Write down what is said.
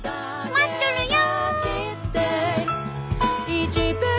待っとるよ！